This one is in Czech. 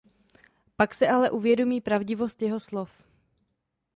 Pak si ale uvědomí pravdivost jeho slov.